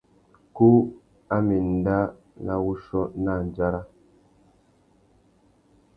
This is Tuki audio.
Kú a má enda nà wuchiô nà andjara.